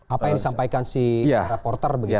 apa yang disampaikan si reporter begitu